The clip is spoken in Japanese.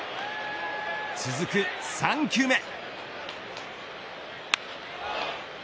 続く３球目。